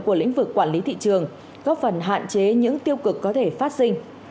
của lĩnh vực quản lý thị trường góp phần hạn chế những tiêu cực có thể phát sinh